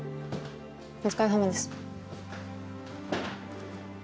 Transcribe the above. お疲れさまです。